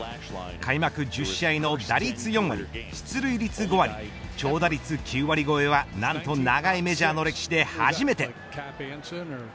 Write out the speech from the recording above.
開幕１０試合の打率４割出塁率５割、長打率９割超えはなんと長いメジャーの歴史で初めて。